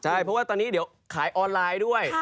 ใช่เพราะว่าตอนนี้เดี๋ยวขายออนไลน์ด้วย